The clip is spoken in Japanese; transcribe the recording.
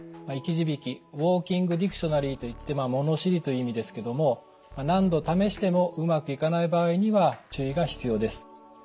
「生き字引」「ウォーキングディクショナリー」といって物知りという意味ですけども何度試してもうまくいかない場合には注意が必要です。